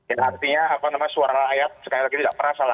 artinya suara rakyat sekali lagi tidak perasaan